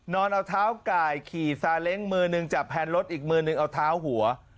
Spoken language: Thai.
นอนเอาเท้าไก่ขี่ซาเล้งมือหนึ่งจับแพนรถอีกมือนึงเอาเท้าหัว